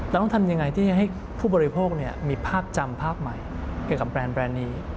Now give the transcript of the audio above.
ต้องทำยังไงที่จะให้ผู้บริโภคมีภาพจำภาพใหม่เกี่ยวกับแบรนด์นี้